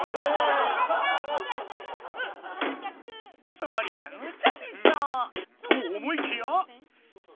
そりゃむちゃでしょ！と思いきや。